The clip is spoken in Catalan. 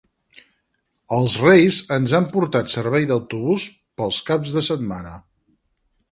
Els reis ens han portat servei d'autobús pels caps de setmana